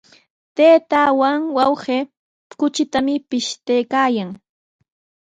Taytaawan wawqi kuchitami pishtaykaayan.